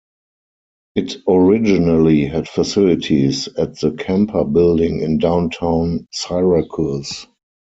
It originally had facilities at the Kemper Building in Downtown Syracuse.